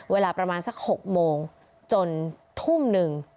เวลาประมาณสัก๖โมงจนทุ่มหนึ่ง